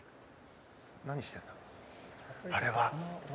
何してるの、あれは。